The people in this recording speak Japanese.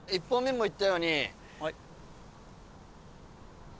１本目も言ったように。